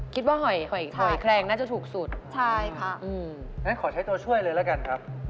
คิดว่าหอยแคลงน่าจะถูกสุดอ๋ออืมพี่แม่งขอใช้ตัวช่วยเลยละกันครับ